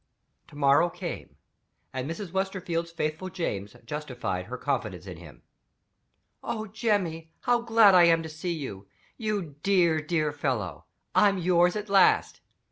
To morrow came and Mrs. Westerfield's faithful James justified her confidence in him. "Oh, Jemmy, how glad I am to see you! You dear, dear fellow. I'm yours at last."